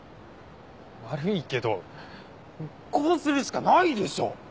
悪いけどこうするしかないでしょ！